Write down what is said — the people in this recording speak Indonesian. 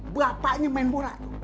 bapaknya main bola